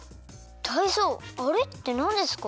タイゾウあれってなんですか？